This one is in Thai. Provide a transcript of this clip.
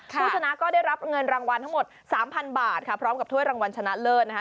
ผู้ชนะก็ได้รับเงินรางวัลทั้งหมด๓๐๐บาทค่ะพร้อมกับถ้วยรางวัลชนะเลิศนะคะ